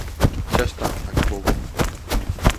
Xa está, acabou.